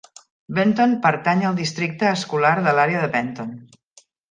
Benton pertany al districte escolar de l'àrea de Benton.